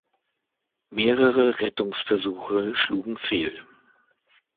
Mehrere Rettungsversuche schlugen fehl.